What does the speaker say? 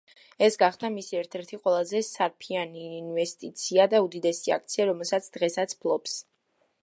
ეს გახდა მისი ერთ-ერთი ყველაზე სარფიანი ინვესტიცია და უდიდესი აქცია, რომელსაც დღესაც ფლობს.